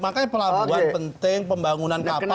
makanya pelabuhan penting pembangunan kapal